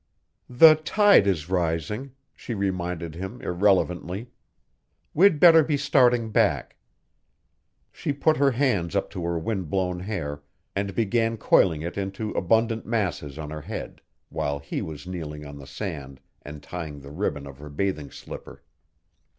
"The tide is rising," she reminded him irrelevantly. "We'd better be starting back." She put her hands up to her wind blown hair and began coiling it into abundant masses on her head, while he was kneeling on the sand and tying the ribbon of her bathing slipper.